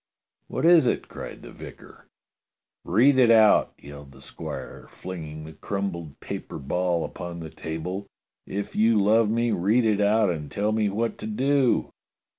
"What is it ?" cried the vicar. "Read it out!" yelled the squire, flinging the crum pled paper ball upon the table. "If you love me, read it out and tell me what to do."